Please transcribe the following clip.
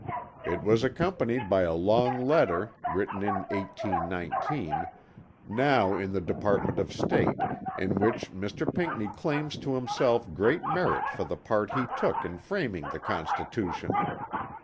It was accompanied by a long letter (written in 1819) now in the Department of State, in which Mr. Pinckney claims to himself great merit for the part he took in framing the constitution.